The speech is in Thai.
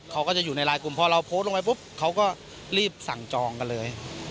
เขาก็จะอยู่ในไลน์กลุ่มพอเราโพสต์ลงไปปุ๊บเขาก็รีบสั่งจองกันเลย